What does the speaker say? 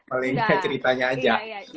paling ceritanya aja